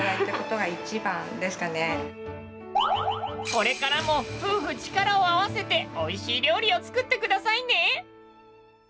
これからも夫婦力を合わせておいしい料理を作ってくださいね！